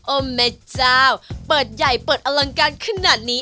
แม่เจ้าเปิดใหญ่เปิดอลังการขนาดนี้